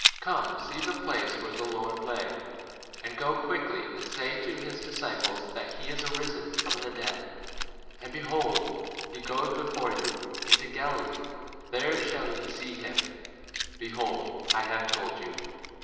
Come, see the place where the Lord lay. And go quickly, and tell his disciples that he is risen from the dead; and, behold, he goeth before you into Galilee; there shall ye see him: lo, I have told you.